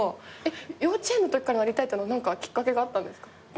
幼稚園のときからなりたいっていうのは何かきっかけがあったんですか？